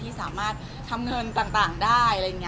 ที่สามารถทำเงินต่างได้